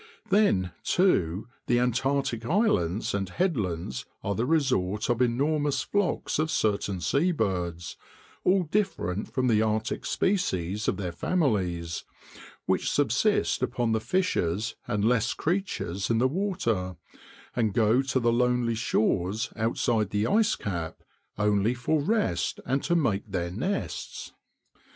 Then, too, the Antarctic islands and headlands are the resort of enormous flocks of certain sea birds, all different from the Arctic species of their families, which subsist upon the fishes and less creatures in the water, and go to the lonely shores outside the ice cap only for rest and to make their nests.